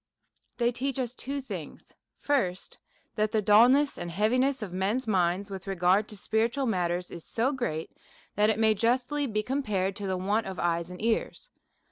They teach us two things : First, That the dulness and heaviness of men's minds, with regard to spiritu al matters, is so great, that it may justly be compared to the want of eyes and ears.